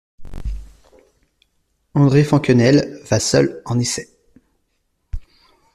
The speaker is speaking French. André Francquenelle va seul en essai.